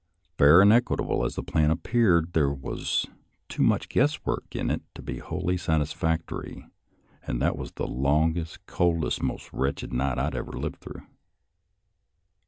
Fair and equitable as the plan appeared, there was too much guesswork in it to be wholly satisfactory, and that was the longest, coldest, and most wretched night I ever lived through.